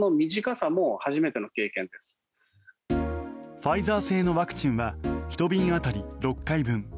ファイザー製のワクチンは１瓶当たり６回分。